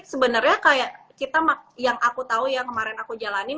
sebenarnya kayak kita yang aku tahu yang kemarin aku jalanin